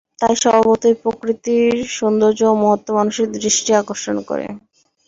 তাই স্বভাবতই প্রকৃতির সৌন্দর্য ও মহত্ত্ব মানুষের দৃষ্টি আকর্ষণ করে।